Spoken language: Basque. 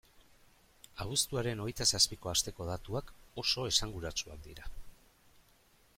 Abuztuaren hogeita zazpiko asteko datuak oso esanguratsuak dira.